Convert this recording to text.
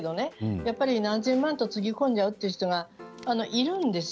やっぱり何十万円とつぎ込んでしまう人がいるんですよ。